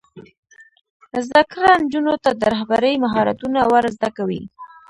زده کړه نجونو ته د رهبرۍ مهارتونه ور زده کوي.